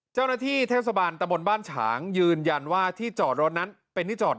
เจ้าหน้าที่เทศบาลตะบนบ้านฉางยืนยันว่าที่จอดรถนั้นเป็นที่จอด